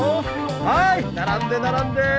はーい並んで並んで。